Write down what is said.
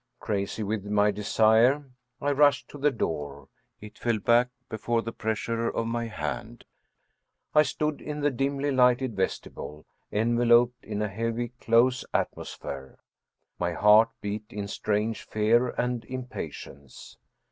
Crazy with my desire I rushed to the door; it fell back before the pres sure of my hand. I stood in the dimly lighted vestibule, enveloped in a heavy, close atmosphere. My heart beat in strange fear and impatience.